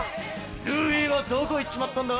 ルフィはどこ行っちまったんだ？